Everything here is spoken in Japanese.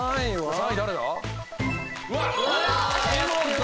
３位誰だ？